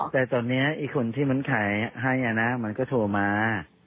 แต่ตอนนี้อีกคนที่มันขายให้นะมันก็โทรมา